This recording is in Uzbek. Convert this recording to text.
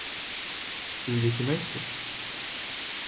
Sizga kim aytdi?